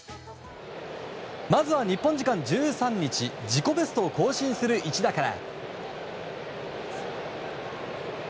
まずは日本時間１３日自己ベストを更新する一打から。